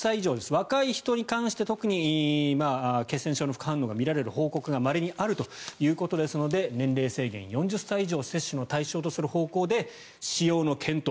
若い人に関して特に血栓症の副反応が見られる報告がまれにあるということなので年齢制限、４０歳以上を接種の対象とする方向で使用の検討。